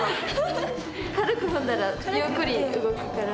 軽く踏んだらゆっくり動くから。